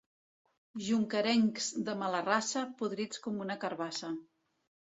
Jonquerencs de mala raça, podrits com una carabassa.